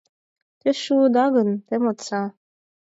Те шуыда гын, те модса